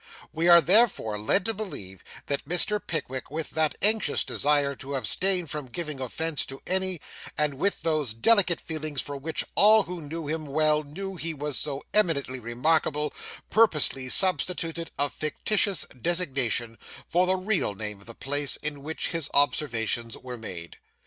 We are therefore led to believe that Mr. Pickwick, with that anxious desire to abstain from giving offence to any, and with those delicate feelings for which all who knew him well know he was so eminently remarkable, purposely substituted a fictitious designation, for the real name of the place in which his observations were made.